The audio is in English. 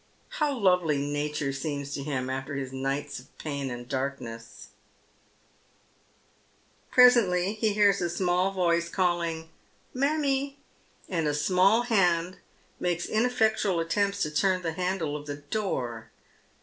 Plow lovely nature seems to him after his nights of pain and darkness ! Presently he hears a small voice calling "mammie," and a email hand makes ineffectual attempts to turn the handle of the door.